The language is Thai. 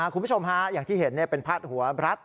คุณผู้ชมฮะอย่างที่เห็นเป็นพาดหัวรัฐ